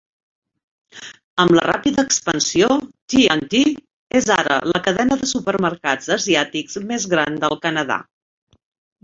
Amb la ràpida expansió, T and T és ara la cadena de supermercats asiàtics més gran del Canadà.